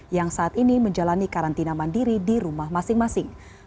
yang saat ini menjalani karantina mandiri di rumah masing masing